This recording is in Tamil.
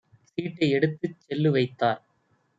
சீட்டை எடுத்துச் செல்லு வைத்தார்.